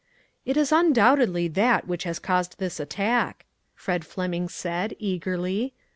"It is undoubtedly that which has caused this attack," Fred Fleming said, eagerly.